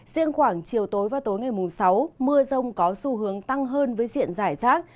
riêng khoảng chiều tối và tối ngày mùng sáu mưa rông có xu hướng tăng hơn với diện giải rác